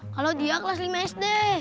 kalau dia kelas lima sd